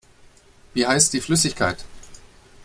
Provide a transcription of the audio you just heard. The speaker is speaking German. Wie heißt die Flüssigkeit?